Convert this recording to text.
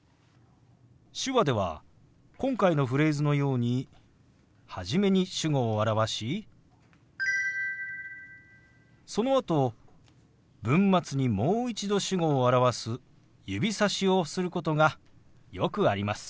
手話では今回のフレーズのように初めに主語を表しそのあと文末にもう一度主語を表す指さしをすることがよくあります。